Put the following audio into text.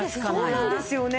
そうなんですよね。